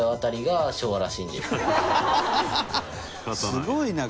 すごいな。